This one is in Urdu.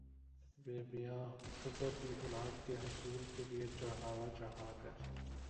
بیبیاں ادھر بھی اولاد کے حصول کےلئے چڑھاوا چڑھا کر